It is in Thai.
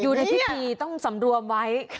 อยู่ในพิธีต้องสำรวมไว้